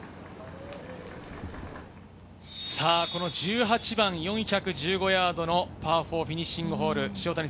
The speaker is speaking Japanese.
１８番、４１５ヤードのパー４をフィニッシングホール。